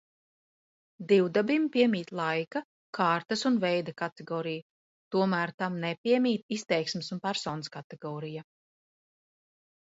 Divdabim piemīt laika, kārtas un veida kategorija, tomēr tam nepiemīt izteiksmes un personas kategorija.